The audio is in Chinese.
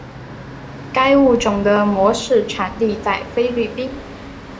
该物种的模式产地在菲律宾。